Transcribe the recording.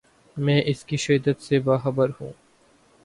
میں اس کی شدت سے باخبر ہوں۔